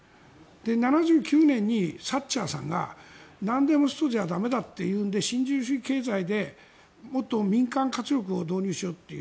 ７９年にサッチャーさんがなんでもストじゃ駄目だというんで新自由主義経済でもっと民間活力を導入しようという。